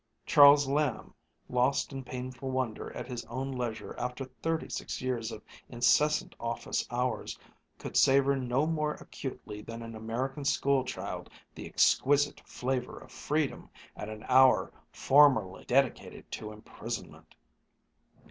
Charles Lamb, lost in painful wonder at his own leisure after thirty six years of incessant office hours, could savor no more acutely than an American school child the exquisite flavor of freedom at an hour formerly dedicated to imprisonment.